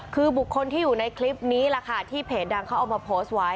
คือบุคคลที่อยู่ในคลิปนี้แหละค่ะที่เพจดังเขาเอามาโพสต์ไว้